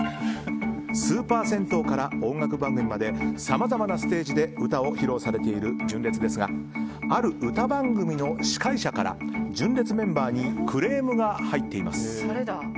スーパー銭湯から音楽番組までさまざまなステージで歌を披露されている純烈ですがある歌番組の司会者から純烈メンバーにクレームが入っています。